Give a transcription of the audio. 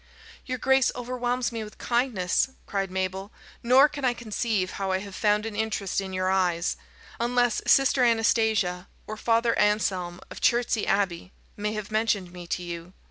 "Your grace overwhelms me with kindness," cried Mabel; "nor can I conceive how I have found an interest in your eyes unless Sister Anastasia or Father Anslem, of Chertsey Abbey, may have mentioned me to you."